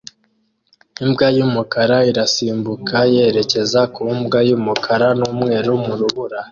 Imbwa yumukara irasimbuka yerekeza ku mbwa yumukara numweru mu rubura